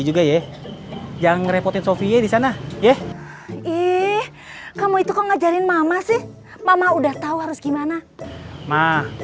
juga ya jangan repotin sofie di sana yeh ih kamu itu kok ngajarin mama sih mama udah tahu harus gimana mah